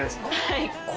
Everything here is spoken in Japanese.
はい。